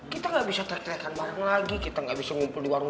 kita gak bisa trek trekan bareng lagi kita gak bisa ngumpul di warung